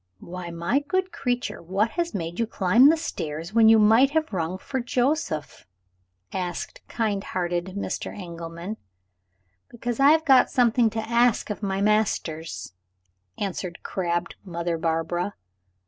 "Why, my good creature, what has made you climb the stairs, when you might have rung for Joseph?" asked kind hearted Mr. Engelman. "Because I have got something to ask of my masters," answered crabbed Mother Barbara.